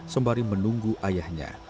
sembari menunggu ayahnya